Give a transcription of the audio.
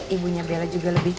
ibunya bella juga lebih